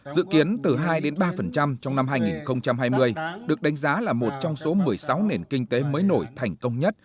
dự kiến từ hai ba trong năm hai nghìn hai mươi được đánh giá là một trong số một mươi sáu nền kinh tế mới nổi thành công nhất